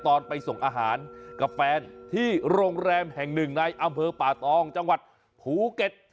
ตอนไปส่งอาหารกับแฟนที่โรงแรมแห่งหนึ่งในอำเภอป่าตองจังหวัดภูเก็ต